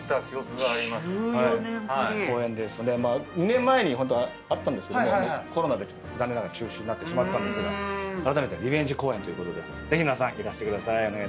２年前にホントはあったんですけどもコロナで残念ながら中止になってしまったんですがあらためてリベンジ公演ということでぜひ皆さんいらしてください。